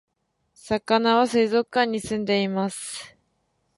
さかなは水族館に住んでいます